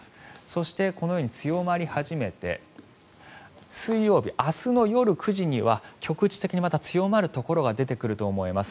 そしてこのように強まり始めて水曜日、明日の夜９時には局地的にまた強まるところが出てくると思います。